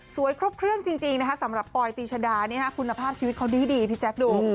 ครบเครื่องจริงนะคะสำหรับปอยตีชดาคุณภาพชีวิตเขาดีพี่แจ๊คดู